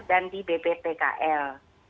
dan di bptkl